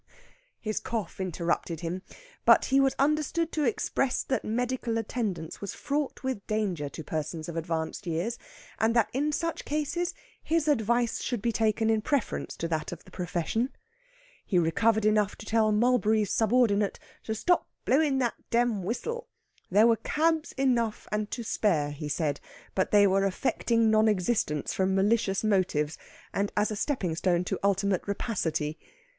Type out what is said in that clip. His cough interrupted him, but he was understood to express that medical attendance was fraught with danger to persons of advanced years, and that in such cases his advice should be taken in preference to that of the profession. He recovered enough to tell Mulberry's subordinate to stop blowin' that dam whistle. There were cabs enough and to spare, he said, but they were affecting non existence from malicious motives, and as a stepping stone to ultimate rapacity.